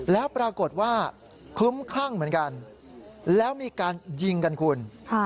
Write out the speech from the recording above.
แล้วปรากฏว่าคลุ้มคลั่งเหมือนกันแล้วมีการยิงกันคุณ